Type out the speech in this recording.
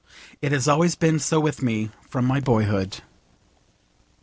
It has always been so with me from my boyhood.